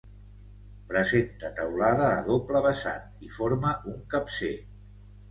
Presenta teulada a doble vessant i forma un capcer.